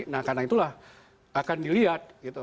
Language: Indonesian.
nah karena itulah akan dilihat